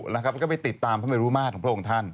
แล้วก็ไปติดตามพระเมรุมาตรของพระองค์ท่าน